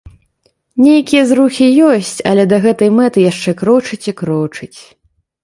Нейкія зрухі ёсць, але да гэтай мэты яшчэ крочыць і крочыць.